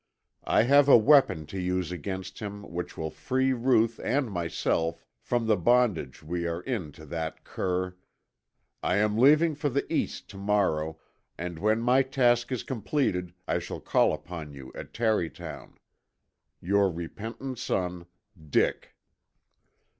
I have a weapon to use against him which will free Ruth and myself from the bondage we are in to that cur. I am leaving for the East to morrow and when my task is completed, I shall call upon you at Tarrytown. "Your repentant son, "DICK."